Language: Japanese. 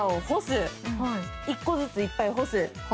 １個ずついっぱい干す。